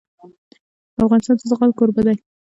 افغانستان د زغال کوربه دی.